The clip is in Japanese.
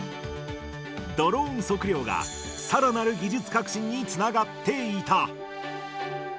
ドローン測量が、さらなる技術革新につながっていた。